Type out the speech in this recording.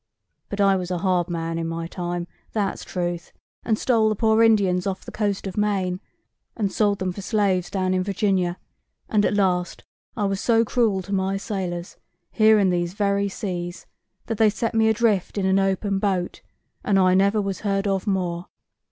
But I was a hard man in my time, that's truth, and stole the poor Indians off the coast of Maine, and sold them for slaves down in Virginia; and at last I was so cruel to my sailors, here in these very seas, that they set me adrift in an open boat, and I never was heard of more.